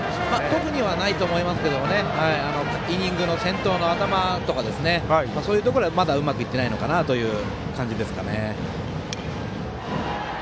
特にはないと思いますがイニングの先頭の頭とかそういうところはまだうまくいっていないのかなという感じですかね。